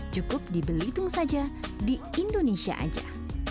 cukup di belitung saja di indonesia saja